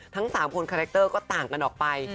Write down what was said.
ทั้ง๓คนคาแรคเตอร์ก็ต่างกันออกไป